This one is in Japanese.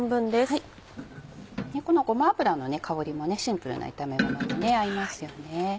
このごま油の香りもシンプルな炒めもので合いますよね。